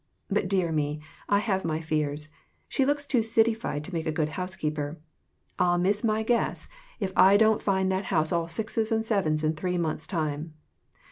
But dear me, I have my fears. She looks too cityfied to make a good housekeeper. I'll miss my guess if I don't find AUNT HANNAH S LETTER TO HER SISTER. 9 that house all sixes and sevens in three months' time.